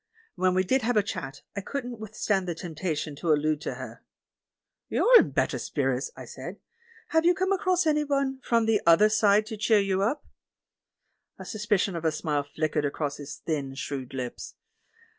When we did have a chat, I couldn't withstand the temptation to al lude to her. "You're in better spirits," I said; "have you come across anybody from the 'other side' to cheer you up?" A suspicion of a smile flickered across his thin, shrewd lips.